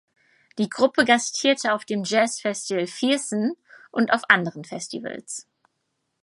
Die Gruppe gastierte auf dem Jazzfestival Viersen und auf anderen Festivals.